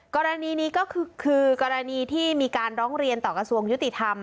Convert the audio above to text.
กรณีนี้ก็คือกรณีที่มีการร้องเรียนต่อกระทรวงยุติธรรม